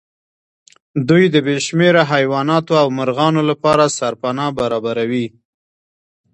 دوی د بې شمېره حيواناتو او مرغانو لپاره سرپناه برابروي.